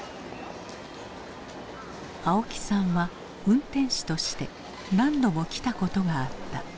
青木さんは運転士として何度も来たことがあった。